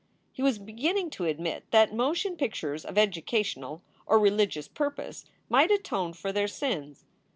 He was beginning to admit that motion pictures of educational or religious purpose might atone for their sins.